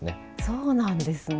そうなんですね。